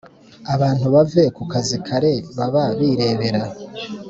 abantu bave ku kazi kare baba birebera